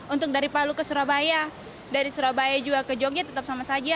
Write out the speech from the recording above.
untuk dari palu ke surabaya dari surabaya juga ke jogja tetap sama saja